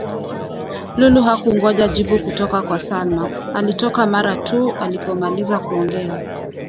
Lulu hakungoja jibu kutoka kwa Salma, alitoka mara tu alipomaliza kuongea